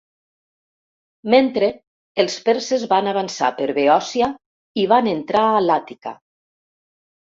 Mentre els perses van avançar per Beòcia i van entrar a l'Àtica.